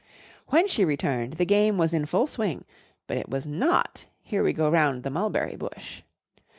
When she returned the game was in full swing, but it was not "Here we go round the mulberry bush."